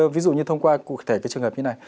ví dụ như thông qua cụ thể về trường hợp như này